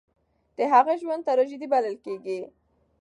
د هغه ژوند تراژيدي بلل کېږي.